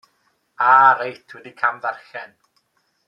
Ah, reit, wedi camddarllen!